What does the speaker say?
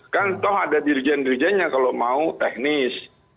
kan toh ada dirijen dirijennya kalau mau teknis